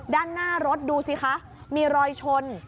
ด้านหน้ารถดูสิคะมีรอยชน